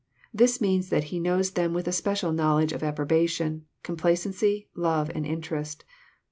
This means that He knows them with a special knowledge of approbation, complacency, love, and interest.